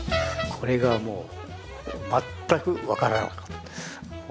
これがもう全く分からなかった。